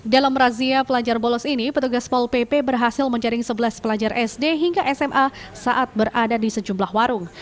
dalam razia pelajar bolos ini petugas pol pp berhasil menjaring sebelas pelajar sd hingga sma saat berada di sejumlah warung